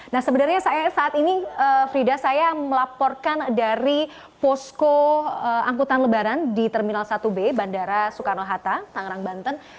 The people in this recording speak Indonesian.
nah sebenarnya saat ini frida saya melaporkan dari posko angkutan lebaran di terminal satu b bandara soekarno hatta tangerang banten